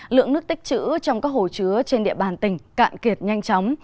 lượng nước tích chữ trong các hồ chứa trên địa bàn tỉnh cạn kiệt nhanh chóng